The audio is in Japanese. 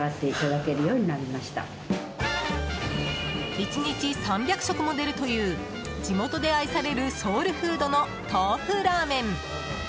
１日３００食も出るという地元で愛されるソウルフードの豆腐ラーメン。